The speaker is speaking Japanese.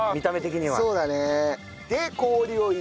そうだね。